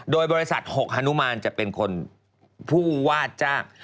โดยบริษัท๖ฮานุมานจะเป็นคนผู้ว่าจ้าง